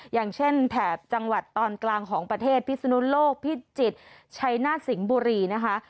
อย่างเช่นแถบจังหวัดตอนกลางของประเทศพิศนุโลกพิจิตรชัยหน้าสิงห์บุรีนะคะ